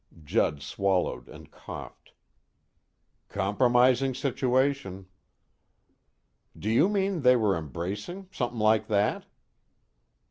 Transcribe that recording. Judd swallowed and coughed. "Compromising situation." "Do you mean they were embracing, something like that?"